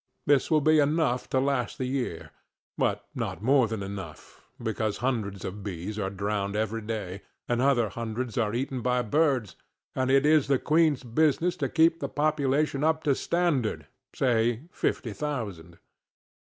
This will be enough to last the year, but not more than enough, because hundreds of bees get drowned every day, and other hundreds are eaten by birds, and it is the queenŌĆÖs business to keep the population up to standardŌĆösay, fifty thousand.